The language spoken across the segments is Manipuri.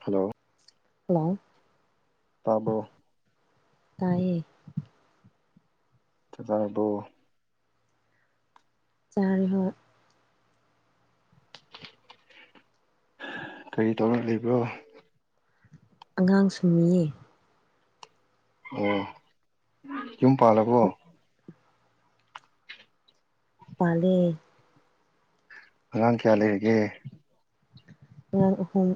ꯍꯜꯂꯣ ꯍꯜꯂꯣ ꯇꯥꯕꯔꯣ ꯇꯥꯏꯌꯦ ꯆꯥꯛ ꯆꯥꯔꯕꯔꯣ ꯆꯔꯦ ꯍꯣꯏ ꯀꯔꯤ ꯇꯧꯔ ꯂꯩꯕ꯭ꯔꯣ ꯑꯉꯥꯡ ꯁꯨꯃꯤꯌꯦ ꯑꯣ ꯌꯨꯝ ꯄꯥꯜꯂꯕꯣ ꯄꯜꯂꯦ ꯑꯉꯥꯡ ꯀꯌꯥ ꯂꯩꯔꯤꯒꯦ ꯑꯉꯥꯡ ꯑꯍꯨꯝ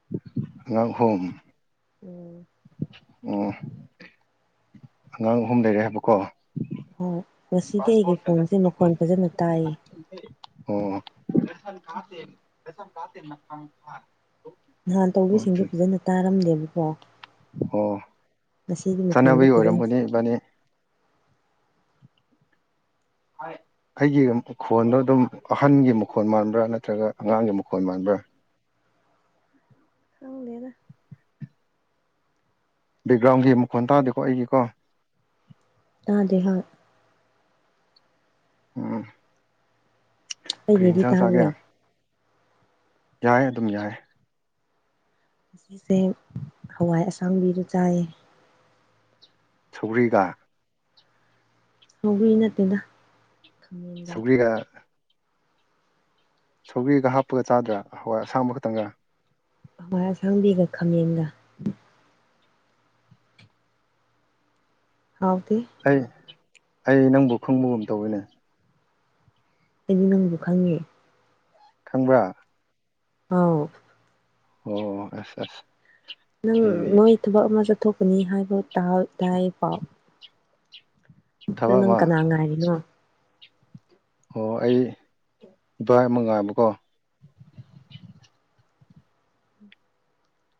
[unintelligible] ꯍꯨꯝ [inaudible] ꯎꯝ ꯑꯉꯥꯡ ꯑꯍꯨꯝ ꯂꯩꯔꯦ ꯍꯥꯏꯕꯀꯣ ꯑꯣ ꯉꯁꯤꯗꯤ ꯑꯩꯒꯤ ꯐꯣꯟꯁꯦ ꯃꯈꯣꯟ ꯐꯖꯅ ꯇꯥꯏꯌꯦ ꯑꯣ ꯅꯍꯥꯟ ꯑꯣ ꯇꯧꯕꯁꯤꯡꯗꯤ ꯐꯖꯅ ꯇꯥꯔꯝꯗꯦꯕꯀꯣ ꯑꯣ ꯉꯁꯤꯒꯤ ꯃꯈꯣꯟꯗꯣ ꯆꯥꯟꯅꯕꯒꯤ ꯐꯖꯅ ꯑꯣꯏꯔꯝꯕꯅꯤ ꯏꯕꯅꯤ ꯑꯩꯒꯤ ꯃꯈꯣꯟꯗꯣ ꯑꯗꯨꯝ ꯑꯍꯟꯒꯤ ꯃꯈꯣꯟ ꯃꯥꯟꯕ꯭ꯔ ꯅꯠꯇ꯭ꯔꯒ ꯑꯉꯥꯡꯒꯤ ꯃꯈꯣꯟ ꯃꯥꯟꯕ꯭ꯔꯥ ꯈꯪꯗꯦꯗ ꯕꯦꯛꯒ꯭ꯔꯥꯎꯟꯒꯤ ꯃꯈꯣꯟ ꯇꯥꯗꯦꯀꯣ ꯑꯩꯒꯤꯀꯣ ꯇꯥꯗꯦ ꯍꯣꯏ ꯎꯝ ꯀ꯭ꯔꯤ ꯑꯩꯒꯤꯗꯤ ꯌꯦꯟꯁꯥꯡ ꯆꯥꯒꯦ ꯇꯥꯕ꯭ꯔꯣ ꯌꯥꯏ ꯑꯗꯨꯝ ꯌꯥꯏ ꯁꯤꯁꯦ ꯍꯋꯥꯏ ꯑꯁꯥꯡꯕꯤꯗ ꯆꯥꯏꯌꯦ ꯁꯧꯒ꯭ꯔꯤꯒ ꯁꯧꯒꯤ ꯅꯠꯇꯦꯗ ꯈꯥꯃꯦꯟꯒ ꯁꯧꯒ꯭ꯔꯤꯒ ꯁꯧꯒ꯭ꯔꯤꯒ ꯍꯥꯞꯄꯒ ꯆꯥꯗ꯭ꯔꯥ ꯍꯋꯥꯏ ꯑꯁꯥꯡꯕ ꯈꯛꯇꯪꯒ ꯍꯋꯥꯏ ꯑꯁꯥꯡꯕꯤꯒ ꯈꯥꯃꯦꯟꯒ ꯍꯥꯎꯇꯦ ꯑꯩ ꯑꯩ ꯅꯪꯕꯨ ꯈꯪꯕꯒꯨꯝ ꯇꯧꯋꯤꯅꯦ ꯑꯩꯗꯤ ꯅꯪꯕꯨ ꯈꯪꯉꯦ ꯈꯪꯕ꯭ꯔꯥ ꯑꯥꯎ ꯑꯣ ꯑꯁ ꯑꯁ ꯅꯪ ꯑꯩꯗꯤ ꯅꯣꯏ ꯊꯕꯛ ꯑꯃ ꯆꯠꯊꯣꯛꯀꯅꯤ ꯍꯥꯏꯕ ꯇꯥꯎ ꯇꯥꯏꯌꯦ ꯄꯥꯎ ꯑꯗꯨ ꯊꯕꯛ ꯅꯪ ꯑꯃ ꯀꯅꯥ ꯉꯥꯏꯔꯤꯅꯣ ꯑꯣ ꯑꯩ ꯏꯕꯥꯏ ꯑꯃ ꯉꯥꯏꯕꯀꯣ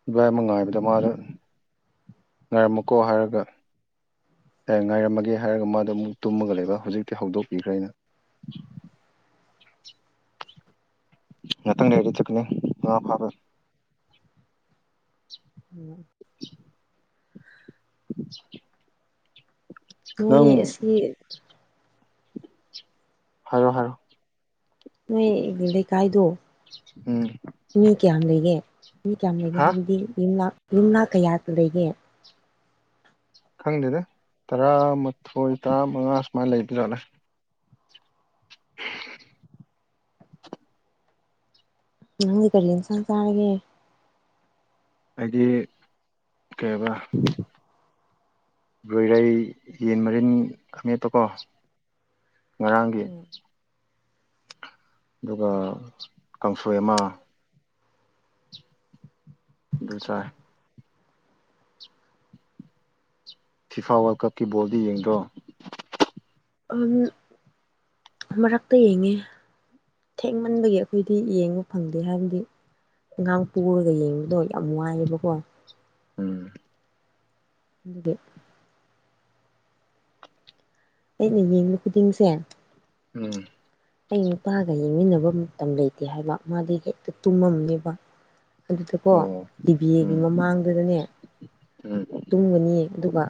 ꯏꯚꯏ ꯑꯃ ꯉꯥꯏꯕꯗ ꯃꯥꯗꯣ ꯉꯥꯏꯔꯝꯃꯀꯣ ꯍꯥꯏꯔꯒ ꯉꯥꯏꯔꯝꯃꯒꯦ ꯍꯥꯏꯔꯒ ꯃꯥꯗꯣ ꯑꯃꯨꯛ ꯇꯨꯝꯃꯒ ꯂꯩꯕ ꯍꯧꯖꯤꯛꯇꯤ ꯍꯧꯗꯣꯛꯄꯤꯈ꯭ꯔꯦ ꯑꯩꯅ ꯉꯥꯛꯇꯪ ꯂꯩꯗꯤ ꯆꯠꯀꯅꯤ ꯉꯥ ꯐꯥꯕ ꯎꯝ [inaudible] ꯅꯪ ꯅꯣꯏ ꯑꯁꯤ ꯍꯥꯏꯔꯣ ꯍꯥꯏꯔꯣ ꯅꯣꯏ ꯒꯤ ꯂꯩ ꯀꯥꯏꯗꯣ ꯎꯝ ꯃꯤ ꯀꯌꯥꯝ ꯂꯩꯒꯦ ꯃꯤ ꯀꯌꯥꯝ ꯂꯩꯒꯦ ꯍꯥ ꯍꯥꯏꯕꯗꯤ ꯌꯨꯝ ꯌꯨꯝꯅꯥꯛ ꯀꯌꯥ ꯂꯩꯒꯦ ꯈꯪꯗꯦꯗ ꯇꯔꯥꯃꯥꯊꯣꯏ ꯇꯔꯥꯃꯉꯥ ꯁꯨꯃꯥꯏꯅ ꯂꯩꯕꯖꯥꯠꯂ ꯅꯪꯗꯤ ꯀꯔꯤ ꯏꯟꯁꯥꯡ ꯆꯥꯔꯒꯦ ꯑꯩꯏꯗꯤ ꯀꯩꯌꯦꯕ ꯂꯣꯏꯔꯩ ꯌꯦꯟ ꯃꯔꯤꯟ ꯑꯃꯦꯠꯄꯀꯣ ꯉꯔꯥꯡꯒꯤ ꯑꯗꯨꯒ ꯀꯥꯡꯁꯣꯏ ꯑꯃ ꯗꯨ ꯆꯥꯏ ꯐꯤꯐꯥ ꯋꯥꯔꯜ ꯀꯞꯀꯤ ꯕꯣꯜꯗꯤ ꯌꯦꯡꯗ꯭ꯔꯣ ꯎꯝ ꯃꯔꯛꯇ ꯌꯦꯡꯉꯦ ꯊꯦꯡꯃꯟꯕꯒꯤ ꯑꯩꯈꯣꯏꯗꯤ ꯌꯦꯡꯕ ꯐꯪꯗꯦ ꯍꯥꯏꯕꯗꯤ ꯑꯉꯥꯡ ꯄꯣꯔꯒ ꯌꯦꯡꯕꯗꯣ ꯌꯥꯝ ꯋꯥꯏꯑꯦꯕꯀꯣ ꯎꯝ ꯑꯗꯨꯒꯤ ꯑꯩꯅ ꯌꯦꯡꯕ ꯈꯨꯗꯤꯡꯁꯦ ꯎꯝ ꯑꯩ ꯅꯨꯄꯥꯒ ꯌꯦꯡꯃꯤꯟꯅꯕ ꯃꯇꯝ ꯂꯩꯇꯦ ꯍꯥꯏꯕ ꯃꯥꯗꯤ ꯍꯦꯛꯇ ꯇꯨꯝꯃꯝꯅꯦꯕ ꯑꯗꯨꯗꯀꯣ ꯑꯣ ꯇꯤꯚꯤꯒꯤ ꯎꯝ ꯃꯃꯥꯡꯗꯨꯗꯅꯦ ꯎꯝ ꯇꯨꯝꯒꯅꯤ ꯑꯗꯨꯒ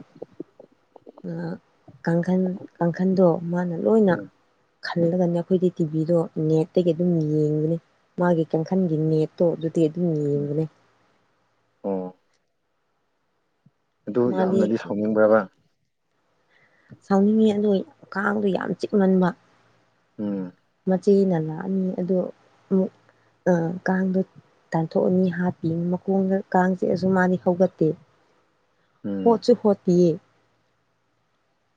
ꯀꯥꯡꯈꯟ ꯀꯥꯡꯈꯟꯗꯣ ꯃꯥꯅ ꯂꯣꯏꯅ ꯎꯝ ꯈꯜꯂꯒꯅꯦ ꯑꯩꯈꯣꯏꯗꯤ ꯇꯤꯚꯤꯗꯣ ꯅꯦꯠꯇꯒꯤ ꯑꯗꯨꯝ ꯌꯦꯡꯕꯅꯤ ꯃꯥꯒꯤ ꯀꯥꯡꯈꯟꯒꯤ ꯅꯦꯠꯇꯣ ꯑꯗꯨꯗꯤ ꯑꯗꯨꯝ ꯎꯝ ꯌꯦꯡꯕꯅꯦ ꯑꯣ ꯑꯗꯨ ꯃꯥꯗꯤ ꯌꯥꯝꯅꯗꯤ ꯁꯥꯎꯅꯤꯡꯕ꯭ꯔꯕ ꯁꯥꯎꯅꯤꯡꯉꯤ ꯑꯗꯨ ꯀꯥꯡꯗꯣ ꯌꯥꯝ ꯆꯤꯛꯃꯟꯕ ꯎꯝ ꯃꯆꯦꯅ ꯂꯥꯛꯑꯅꯤ ꯑꯗꯣ ꯑꯃꯨꯛ ꯀꯥꯡꯗꯣ ꯇꯥꯟꯊꯣꯛꯑꯅꯤ ꯍꯥꯞꯄꯤ ꯃꯈꯣꯡꯗ ꯀꯥꯡ꫰ꯆꯤꯛꯑꯁꯨ ꯃꯥꯗꯤ ꯍꯧꯒꯠꯇꯦ ꯎꯝ ꯍꯣꯠꯁꯨ ꯍꯣꯠꯄꯤꯑꯦ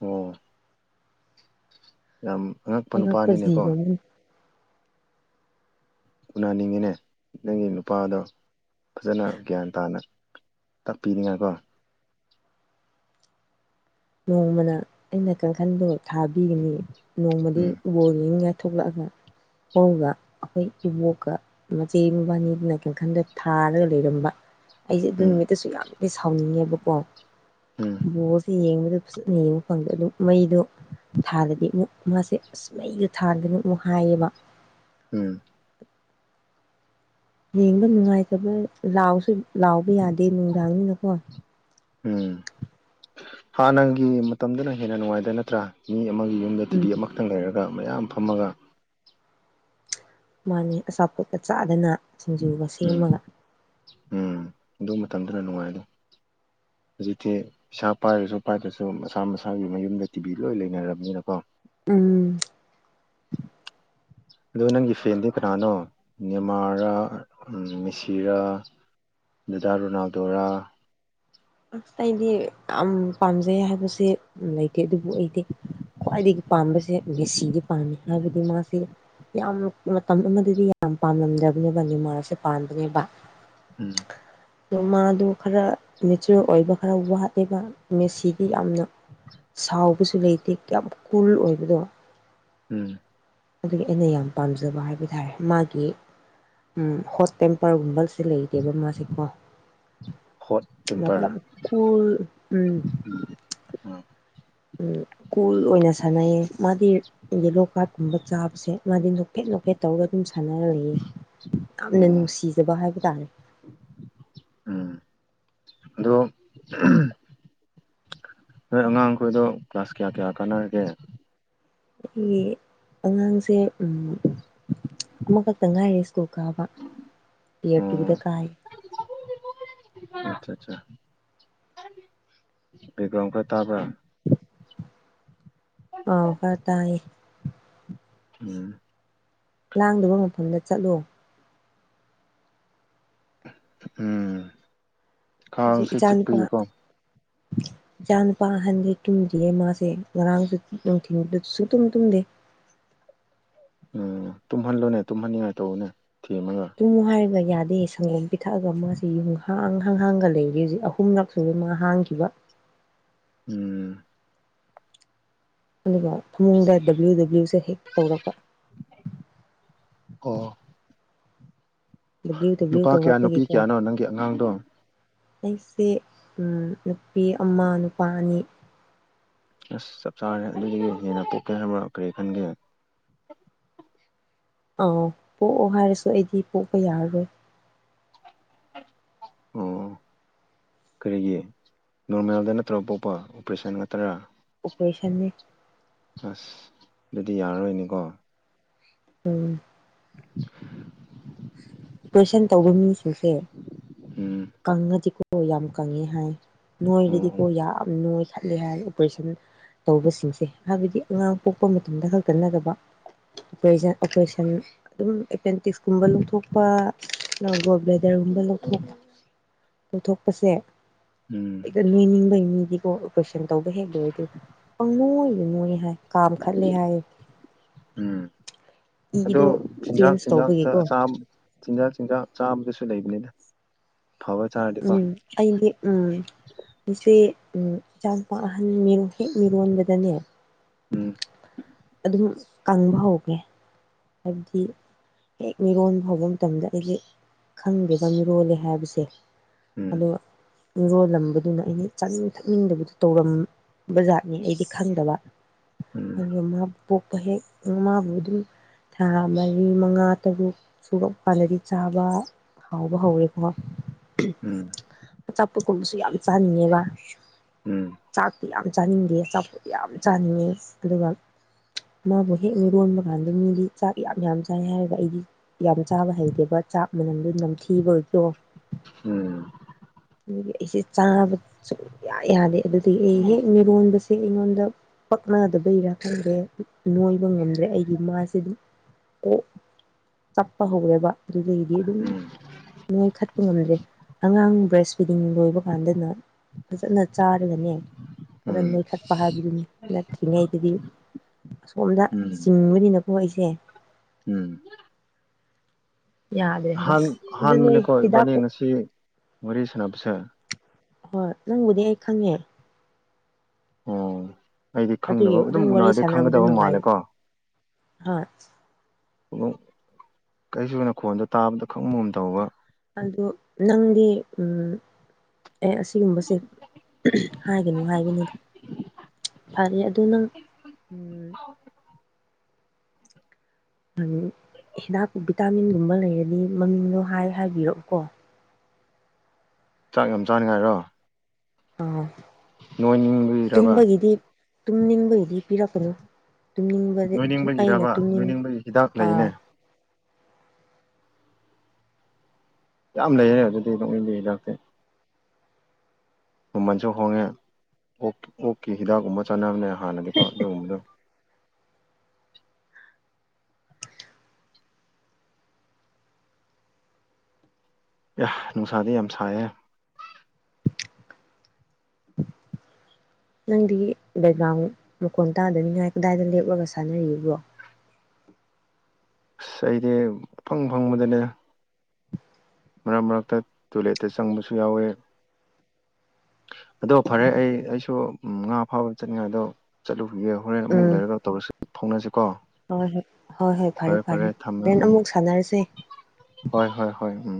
ꯑꯣ ꯌꯥꯝ ꯑꯉꯛꯄ ꯅꯨꯄꯥꯅꯤꯅꯦꯀꯣ ꯖꯤꯕ ꯑꯃꯅꯤ ꯎꯅꯅꯤꯡꯉꯤꯅꯦ ꯅꯪꯒꯤ ꯅꯨꯄꯥꯗꯣ ꯐꯖꯅ ꯒ꯭ꯌꯥꯟ ꯇꯥꯅ ꯇꯥꯛꯄꯤꯅꯤꯉꯥꯏꯀꯣ ꯅꯣꯡꯃꯅ ꯑꯩꯅ ꯀꯥꯡꯈꯟꯗꯣ ꯊꯥꯕꯤꯒꯅꯤ ꯅꯣꯡꯃꯗꯤ ꯎꯝ ꯕꯣꯜ [unintelligible] ꯊꯣꯛꯂꯛꯑꯒ [unintelligible] ꯑꯩꯈꯣꯏ ꯎꯕꯣꯛꯀ ꯃꯆꯦ ꯃꯕꯥꯅꯤꯗꯨꯅ ꯀꯥꯡꯈꯟꯗ ꯊꯥꯔꯒ ꯂꯩꯔꯝꯕ ꯑꯩꯁꯦ ꯑꯗꯨ ꯎꯝ ꯅꯨꯃꯤꯠꯇꯁꯨ ꯌꯥꯝꯗꯤ ꯁꯥꯎꯅꯤꯡꯉꯦꯕꯀꯣ ꯎꯝ ꯕꯣꯁꯦ ꯌꯦꯡꯕ ꯑꯗꯨ ꯐꯖꯅ ꯌꯦꯡꯕ ꯐꯪꯗꯦ ꯑꯗꯨꯝ ꯃꯩꯗꯣ ꯊꯥꯗꯗꯤ ꯑꯃꯨꯛ ꯃꯥꯁꯦ ꯑꯁ ꯃꯩꯒ ꯊꯥꯟꯒꯅꯨ ꯑꯃꯨꯛ ꯍꯥꯏꯌꯦꯕ ꯎꯝ ꯌꯦꯡꯕ ꯅꯨꯡꯉꯥꯏꯇꯕ ꯂꯥꯎꯁꯨ ꯂꯥꯎꯕ ꯌꯥꯗꯦ ꯅꯨꯡꯗꯥꯡꯅꯤꯅꯀꯣ ꯎꯝ ꯍꯥꯟꯅꯒꯤ ꯃꯇꯝꯗꯅ ꯍꯦꯟꯅ ꯅꯨꯡꯉꯥꯏꯗ ꯅꯠꯇ꯭ꯔꯥ ꯃꯤ ꯑꯃꯒꯤ ꯌꯨꯝ ꯌꯨꯝꯗ ꯇꯤꯚꯤ ꯎꯝ ꯑꯃꯈꯛꯇꯪ ꯂꯩꯔꯒ ꯃꯌꯥꯝ ꯐꯝꯃꯒ ꯃꯥꯅꯦ ꯑꯆꯥꯄꯣꯠꯄ ꯆꯥꯗꯅ ꯁꯤꯡꯖꯨꯒ ꯎꯝ ꯁꯦꯝꯃꯒ ꯎꯝ ꯑꯗꯨ ꯃꯇꯝꯗꯨꯅ ꯅꯨꯡꯉꯥꯏꯗ ꯍꯧꯖꯤꯛꯇꯤ ꯄꯩꯥ ꯄꯥꯏꯔꯁꯨ ꯄꯥꯏꯗ꯭ꯔꯁꯨ ꯃꯁꯥ ꯃꯁꯥꯒꯤ ꯃꯌꯨꯝꯗ ꯇꯤꯚꯤ ꯂꯣꯏ ꯂꯩꯅꯔꯕꯅꯤꯅꯀꯣ ꯎꯝ ꯑꯗꯣ ꯅꯪꯒꯤ ꯐꯦꯟꯗꯤ ꯀꯅꯥꯅꯣ ꯅꯤꯃꯥꯔꯥ ꯃꯤꯁꯤꯔꯥ ꯗꯗꯥ ꯔꯣꯅꯥꯜꯗꯣꯔꯥ ꯑꯁ ꯑꯩꯗꯤ ꯌꯥꯝ ꯄꯥꯝꯖꯩ ꯍꯥꯏꯕꯁꯦ ꯂꯩꯇꯦ ꯑꯗꯨꯕꯨ ꯑꯩꯗꯤ ꯈ꯭ꯋꯥꯏꯗꯒꯤ ꯄꯥꯝꯕꯁꯦ ꯃꯦꯁꯤꯗꯤ ꯄꯥꯝꯃꯤ ꯍꯥꯏꯕꯗꯤ ꯃꯥꯁꯤ ꯌꯥꯝ ꯃꯇꯝ ꯑꯃꯗꯗꯤ ꯌꯥꯝ ꯄꯥꯝꯂꯝꯗꯕꯅꯦꯕ ꯅꯤꯃꯥꯔꯁꯦ ꯄꯥꯟꯕꯅꯦꯕ ꯎꯝ ꯑꯗꯣ ꯃꯥꯗꯣ ꯈꯔ ꯅꯦꯆꯔꯦꯜ ꯑꯣꯏꯕ ꯈꯔ ꯋꯥꯠꯂꯦꯕ ꯃꯦꯁꯤꯗꯤ ꯌꯥꯝꯅ ꯁꯥꯎꯕꯁꯨ ꯂꯩꯇꯦ ꯌꯥꯝ ꯀꯨꯜ ꯑꯣꯏꯕꯗꯣ ꯎꯝ ꯑꯗꯨꯒꯤ ꯑꯩꯅ ꯌꯥꯝ ꯄꯥꯝꯖꯕ ꯍꯥꯏꯕ ꯇꯥꯔꯦ ꯃꯥꯒꯤ ꯎꯝ ꯍꯣꯁ ꯇꯦꯝꯄꯔꯒꯨꯝꯕ ꯁꯤ ꯂꯩꯇꯦꯕ ꯃꯥꯁꯦ ꯀꯣ ꯍꯣꯠ ꯃ ꯇꯦꯝꯄꯔ ꯀ [inaudible] ꯎꯝ ꯎꯝ ꯀꯨꯜ ꯑꯣꯏꯅ ꯁꯥꯟꯅꯩꯌꯦ ꯃꯥꯗꯤ ꯈꯪꯗꯦ ꯀꯥꯔꯠꯀꯨꯝꯕ ꯆꯥꯕꯁꯦ ꯃꯥꯗꯤ ꯅꯣꯐꯦꯠ ꯅꯣꯐꯦꯠ ꯇꯧꯔꯒ ꯑꯗꯨꯝ ꯁꯥꯟꯅꯔ ꯂꯩꯌꯦ ꯌꯥꯝꯅ ꯑꯣ ꯅꯨꯡꯁꯤꯖꯕ ꯍꯥꯏꯕ ꯇꯥꯔꯦ ꯎꯝ ꯑꯗꯣ ꯅꯣꯏ ꯑꯉꯥꯡꯈꯣꯏ ꯑꯗꯣ ꯀ꯭ꯂꯥꯁ ꯀꯌꯥ ꯀꯌꯥ ꯀꯥꯟꯅꯔꯒꯦ ꯑꯩꯒꯤ ꯑꯉꯥꯡꯁꯦ ꯑꯃꯈꯛꯇ ꯉꯥꯏꯔꯤ ꯇꯨ ꯀꯥꯕ ꯌꯦꯔ ꯇꯨꯗ ꯀꯥꯥꯏ ꯑꯆꯥ ꯑꯆꯥ ꯕꯦꯛꯒꯥ꯭ꯔꯜ ꯈꯔ ꯇꯥꯕ꯭ꯔꯥ ꯑꯥꯎ ꯈꯔ ꯇꯥꯏꯌꯦ ꯎꯝ ꯂꯥꯡꯗꯕ ꯃꯐꯝꯗ ꯆꯠꯂꯣ ꯎꯝ ꯀꯥꯡꯁꯦ ꯆꯤꯛꯄꯒꯤꯀꯣ [inaudible] ꯏꯆꯥ ꯅꯨꯄꯥ ꯑꯍꯟꯗꯤ ꯇꯨꯝꯗ꯭ꯔꯤꯌꯦ ꯃꯥꯁꯦ ꯉꯔꯥꯡꯁꯨ ꯅꯨꯡꯊꯤꯟꯗꯨ ꯁꯨꯡ ꯇꯨꯝ ꯇꯨꯝꯗꯦ ꯎꯝ ꯇꯨꯝꯍꯜꯂꯨꯅꯦ ꯇꯨꯝꯍꯟꯅꯤꯡꯉꯥꯏ ꯇꯧꯋꯣꯅꯦ ꯊꯦꯝꯃꯒ ꯇꯨꯝꯃꯨ ꯍꯥꯏꯔꯒ ꯌꯥꯗꯦ ꯁꯪꯒꯣꯝ ꯄꯤꯊꯛꯑꯒ ꯃꯥꯁꯤ ꯌꯨꯝꯍꯥꯡ ꯍꯥꯡꯍꯥꯡꯒ ꯂꯩꯌꯦ ꯍꯧꯖꯤꯛ ꯑꯍꯨꯝꯂꯛ ꯑꯍꯨꯝꯂꯛ ꯁꯨꯔꯦ ꯃꯥ ꯍꯥꯡꯈꯤꯕ ꯎꯝ ꯑꯗꯨꯒ ꯐꯃꯨꯡꯗ ꯗꯕ꯭ꯂꯤꯎ ꯗꯕ꯭ꯂꯤꯎꯁꯦ ꯍꯦꯛ ꯇꯧꯔꯛꯄ ꯑꯣ ꯗꯕ꯭ꯂꯤꯎ ꯗꯕ꯭ꯂꯤꯎ ꯅꯨꯄꯥ ꯀꯌꯥ ꯅꯨꯄꯤ ꯇꯧꯔꯛꯄꯒꯤꯀꯣ ꯀꯌꯥꯅꯣ ꯅꯪꯒꯤ ꯑꯉꯥꯡꯗꯣ ꯑꯩꯁꯦ ꯅꯨꯄꯤ ꯑꯃ ꯅꯨꯄꯥ ꯑꯅꯤ ꯑꯁ ꯆꯞ ꯆꯥꯔꯦ ꯑꯗꯨꯒꯤ ꯍꯦꯟꯅ ꯄꯣꯛꯀꯦ ꯍꯥꯏꯕ ꯀꯔꯤ ꯈꯟꯒꯦ ꯑꯥꯎ ꯄꯣꯛꯑꯣ ꯍꯥꯏꯔꯁꯨ ꯑꯩꯗꯤ ꯄꯣꯛꯄ ꯌꯥꯔꯔꯣꯏ ꯑꯣ ꯀꯔꯤꯒꯤ ꯅꯣꯔꯃꯦꯜꯗ ꯅꯠꯇ꯭ꯔ ꯄꯣꯛꯄ ꯑꯣꯄꯔꯦꯁꯟ ꯉꯥꯛꯇꯔꯥ ꯑꯣꯕꯔꯦꯁꯟꯅꯤ ꯑꯁ ꯑꯗꯨꯗꯤ ꯌꯥꯔꯔꯣꯏꯅꯦꯀꯣ ꯎꯝ [inaudible] ꯑꯣꯄꯔꯦꯁꯟ ꯇꯧꯕ ꯃꯤꯁꯤꯡꯁꯦ ꯎꯝ ꯀꯪꯉꯗꯤꯀꯣ ꯌꯥꯝ ꯀꯪꯉꯦ ꯍꯥꯏ ꯑꯣ ꯑꯣ ꯅꯣꯏꯔꯗꯤꯀꯣ ꯌꯥꯝ ꯅꯣꯢ ꯈꯠꯂꯦ ꯍꯥꯏ ꯑꯣꯄꯔꯦꯁꯟ ꯇꯧꯕꯁꯤꯡꯁꯦ ꯍꯥꯏꯕꯗꯤ ꯑꯉꯥꯡ ꯄꯣꯛꯄ ꯃꯇꯝꯗ ꯈꯛꯇ ꯅꯠꯇꯕ ꯑꯣꯄꯔꯦꯁꯟ ꯑꯣꯄꯔꯦꯁꯟ ꯑꯗꯨꯝ ꯑꯦꯄꯦꯟꯗꯤꯛꯁꯒꯨꯝꯕ ꯂꯧꯊꯣꯛ ꯍꯣꯢ ꯒꯣꯜꯕ꯭ꯂꯦꯗꯔꯒꯨꯝꯕ ꯂꯧꯊꯣꯛ ꯂꯧꯊꯣꯛꯄꯁꯦ ꯎꯝ ꯍꯦꯛꯇ ꯅꯣꯏꯅꯤꯡꯕꯩ ꯃꯤꯗꯤꯀꯣ ꯑꯣꯄꯔꯣꯏꯁꯟ ꯇꯧꯕ ꯍꯦꯛ ꯂꯣꯏꯔꯗꯤ ꯄꯪ ꯅꯣꯏꯗ ꯅꯣꯏ ꯍꯥꯏ ꯀꯥꯝ ꯈꯜꯂꯦ ꯍꯥꯏꯌꯦ ꯎꯝ ꯑꯗꯣ ꯏꯗꯣ ꯆꯤꯟꯖꯥꯛ ꯆꯦꯟꯖ ꯆꯤꯟꯖꯥꯛꯇ ꯇꯧꯕꯒꯤꯀꯣ ꯆꯥꯕꯗꯣ ꯆꯤꯟꯖꯥꯛ ꯆꯤꯟꯖꯥꯛ ꯆꯥꯕꯗꯁꯨ ꯂꯩꯕꯅꯤꯅ ꯐꯕ ꯆꯥꯔꯗꯤꯀꯣ ꯎꯝ ꯑꯩꯗꯤ ꯎꯝ ꯑꯩꯁꯦ ꯏꯆꯥ ꯅꯨꯨꯄꯥ ꯑꯍꯟ ꯃꯤ ꯍꯦꯛ ꯃꯤꯔꯣꯟꯕꯗꯅꯦ ꯎꯝ ꯑꯗꯨꯝ ꯀꯪꯕ ꯍꯧꯒꯦ ꯍꯥꯏꯕꯗꯤ ꯍꯦꯛ ꯃꯤꯔꯣꯟꯕ ꯍꯧꯕ ꯃꯇꯝꯗ ꯑꯩꯁꯦ ꯈꯪꯗꯦꯕꯥ ꯑꯩꯗꯤ ꯃꯤꯔꯣꯜꯂꯦ ꯍꯥꯏꯕꯁꯦ ꯎꯝ ꯑꯗꯣ ꯃꯤꯔꯣꯜꯂꯝꯕꯗꯨꯅ ꯑꯩꯅ ꯆꯥꯅꯤꯡ ꯊꯛꯅꯤꯡꯗꯕꯗꯨ ꯇꯧꯔꯝꯕ ꯖꯥꯠꯅꯤ ꯑꯩꯗꯤ ꯈꯪꯗꯕ ꯎꯝ ꯑꯗꯨꯒ ꯃꯥ ꯄꯣꯛꯄ ꯍꯦꯛ ꯃꯥꯕꯨ꫰ꯑꯗꯨꯝ ꯊꯥ ꯃꯔꯤ ꯃꯉꯥ ꯇꯔꯨꯛ ꯁꯨꯔꯛ ꯄꯥꯗꯤ ꯆꯥꯕ ꯍꯥꯎꯕ ꯍꯧꯋꯦꯀꯣ ꯎꯝ ꯑꯆꯥꯄꯣꯠ ꯀꯨꯝꯕꯁꯨ ꯌꯥꯝ ꯆꯥꯅꯤꯡꯉꯦꯕ ꯎꯝ ꯆꯥꯛꯇꯨ ꯌꯥꯝ ꯆꯥꯅꯤꯡꯗꯦ ꯆꯥꯄꯣꯠ ꯇꯨ ꯌꯥꯝ ꯆꯥꯅꯤꯡꯉꯦ ꯑꯗꯨꯒ ꯃꯥꯕꯨ ꯍꯦꯛ ꯃꯤꯔꯣꯟꯕ ꯀꯥꯟꯗ ꯃꯤꯗꯤ ꯆꯥꯛ ꯌꯥꯝ ꯌꯥꯝ ꯆꯥꯏ ꯍꯥꯏꯔꯒ ꯑꯩꯗꯤ ꯌꯥꯝ ꯆꯥꯕ ꯍꯩꯇꯦꯕ ꯆꯥꯛ ꯃꯅꯝꯗꯨ ꯅꯝꯊꯤꯕꯣꯏ ꯇꯣ ꯎꯝ ꯗꯨꯒꯤ ꯑꯩꯁꯦ ꯆꯥꯕ ꯁꯨꯌꯥ ꯌꯥꯗꯦ ꯑꯗꯨꯗꯤ ꯑꯩ ꯍꯦꯛ ꯃꯤꯔꯣꯟꯕꯁꯦ ꯑꯩꯉꯣꯟꯗ ꯄꯛꯅꯗꯕꯩꯔ ꯈꯪꯗ꯭ꯔꯦ ꯎꯝ ꯅꯣꯏꯕ ꯉꯝꯗ꯭ꯔꯦ ꯑꯩꯗꯤ ꯃꯥꯏꯁꯦꯗꯨꯝ ꯑꯣ ꯇꯞꯄ ꯍꯧꯔꯦꯕ ꯗꯨꯗꯒꯤꯗꯤ ꯑꯗꯨꯝ ꯎꯝ ꯅꯣꯏ ꯈꯠꯄ ꯉꯝꯗ꯭ꯔꯦ ꯑꯉꯥꯡ ꯕ꯭ꯔꯦꯁ ꯐꯤꯗꯤꯡ ꯂꯣꯏꯕ ꯀꯥꯟꯗꯅ ꯐꯖꯅ ꯆꯥꯔꯒꯅꯦ ꯈꯔ ꯎꯝ ꯅꯣꯏꯈꯠꯄ ꯍꯥꯏꯕꯗꯨꯅꯤ ꯅꯠꯇ꯭ꯔꯤꯉꯩꯗꯗꯤ ꯑꯁꯣꯝꯗ ꯎꯝ ꯆꯤꯡꯕꯅꯤꯅꯀꯣ ꯑꯩꯁꯦ ꯎꯝ ꯌꯥꯗ꯭ꯔꯦ ꯍꯥꯏꯕ ꯥꯑꯍꯥꯟ ꯑꯗꯨ ꯅꯣꯏ ꯑꯍꯥꯟꯕꯅꯦꯀꯣ ꯍꯤꯗꯥꯛ ꯏꯕꯥꯅꯤ ꯉꯁꯤ ꯋꯥꯔꯤ ꯁꯥꯟꯅꯕꯁꯦ ꯍꯣꯏ ꯅꯪꯕꯨꯗꯤ ꯑꯩ ꯈꯪꯉꯦ ꯑꯣ ꯑꯩꯗꯤ ꯑꯗꯨꯒꯤ ꯈꯪꯗꯕ ꯑꯥꯗꯨꯝ ꯑꯗꯨꯝ ꯋꯥꯔꯤ ꯎꯅꯔꯗꯤ ꯁꯥꯟꯅꯕꯗꯣ ꯈꯪꯒꯗꯕ ꯅꯨꯡꯉꯥꯏ ꯃꯥꯜꯂꯦꯀꯣ ꯍꯥ [unintelligible] ꯀꯩꯁꯨꯅ ꯈꯣꯟꯗꯣ ꯇꯥꯕꯗ ꯈꯪꯕꯒꯨꯝ ꯇꯧꯕ ꯑꯗꯨ ꯅꯪꯗꯤ ꯎꯝ ꯑꯦ ꯑꯁꯤꯒꯨꯝꯕꯁꯦ ꯍꯥꯏꯒꯅꯨ ꯍꯥꯏꯕꯅꯤꯗ ꯐꯔꯦ ꯑꯗꯨ ꯇꯨ ꯅꯪ [unintelligible] ꯍꯤꯗꯥꯛ ꯚꯤꯇꯥꯃꯤꯟꯒꯨꯝꯕ ꯂꯩꯔꯗꯤ ꯃꯃꯤꯡꯗꯣ ꯍꯥꯏ ꯍꯥꯏꯕꯤꯔꯛꯎꯀꯣ ꯆꯥꯛ ꯌꯥꯝ ꯆꯥꯅꯤꯡꯉꯥꯏꯔꯣ ꯑꯧ ꯅꯣꯏꯅꯤꯡꯕꯒꯤꯔꯕ ꯇꯨꯝꯕꯒꯤꯗꯤ ꯇꯨꯝꯅꯤꯡꯕꯥꯏꯗꯤ ꯄꯤꯔꯛꯀꯅꯨ ꯇꯨꯝꯅꯤꯡꯕꯗꯦ ꯑꯩꯅ ꯅꯣꯏꯅꯤꯡꯕꯒꯤꯔꯕ ꯇꯨꯝꯅꯤꯡ ꯅꯣꯏꯅꯤꯡꯕꯒꯤ ꯍꯤꯗꯥꯛ ꯑ ꯂꯩꯅꯦ ꯌꯥꯝ ꯂꯩꯌꯦꯅꯦ ꯑꯗꯨꯗꯤ ꯅꯣꯛꯃꯤ [unintelligible] ꯃꯃꯟꯁꯨ ꯍꯣꯡꯉꯦ ꯑꯣꯛ ꯑꯣꯛꯀꯤ ꯍꯤꯗꯥꯛꯀꯨꯝꯕ ꯆꯥꯅꯕꯅꯦ ꯍꯥꯟꯅꯗꯤꯀꯣ ꯑꯗꯨꯒꯨꯝꯕꯗꯣ ꯌ꯭ꯥꯍ ꯅꯨꯡꯁꯥꯗꯤ ꯌꯥꯝ ꯁꯥꯏꯌꯦ [inaudible] ꯅꯪꯗꯤ ꯕꯦꯛꯒ꯭ꯔꯥꯎꯟ ꯃꯈꯣꯟ ꯇꯥꯗꯅꯤꯉꯥꯏ ꯀꯗꯥꯏꯗ ꯂꯦꯞꯂꯒ ꯁꯥꯟꯅꯔꯤꯕ꯭ꯔꯣ ꯑꯁ ꯑꯩꯗꯤ ꯐꯪ ꯐꯪꯕꯗꯅꯦ ꯃꯔꯛ ꯃꯔꯛꯇ ꯇꯣꯏꯂꯦꯠꯇ ꯆꯪꯕꯁꯨ ꯌꯥꯎꯋꯦ ꯑꯗꯣ ꯐꯔꯦ ꯑꯩ ꯑꯩꯁꯨ ꯉꯥ ꯐꯥꯕ ꯆꯠꯅꯤꯡꯉꯥꯏꯗꯣ ꯆꯠꯂꯨꯈꯤꯒꯦ ꯍꯣꯔꯦꯟ ꯑꯃꯨꯛ ꯂꯩꯔꯒ ꯇꯧꯔꯁꯤ ꯐꯥꯎꯅꯖꯤꯀꯣ ꯍꯣ ꯍꯣ ꯍꯣꯏ ꯍꯣꯏ ꯍꯣꯏ ꯐꯔꯦ ꯐꯔꯦ ꯍꯣꯔꯦꯟ ꯎꯝ ꯑꯃꯨꯛ ꯁꯥꯟꯅꯔꯁꯦ ꯍꯣꯏ ꯍꯣꯏ ꯍꯣꯏ ꯎꯝ